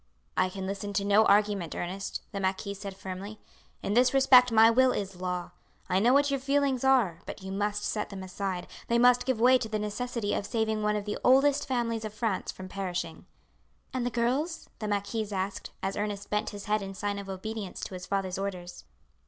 "I can listen to no argument, Ernest," the marquis said firmly. "In this respect my will is law. I know what your feelings are, but you must set them aside, they must give way to the necessity of saving one of the oldest families of France from perishing." "And the girls?" the marquise asked, as Ernest bent his head in sign of obedience to his father's orders.